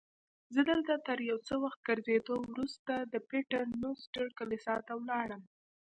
زه دلته تر یو څه وخت ګرځېدو وروسته د پیټر نوسټر کلیسا ته ولاړم.